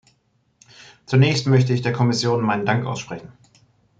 Zunächst möchte ich der Kommission meinen Dank aussprechen.